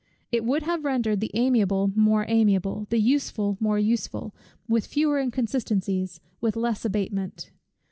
It would have rendered the amiable more amiable, the useful more useful, with fewer inconsistencies, with less abatement.